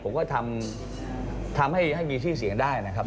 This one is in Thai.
ผมก็ทำให้มีชื่อเสียงได้นะครับ